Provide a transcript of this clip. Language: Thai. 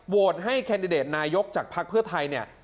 โหดให้เคนดริเดตนายกจากพักเพื่อไทยเนี่ย